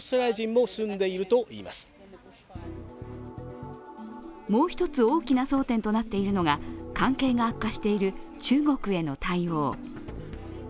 もう一つ大きな争点となっているのが関係が悪化している中国への対応。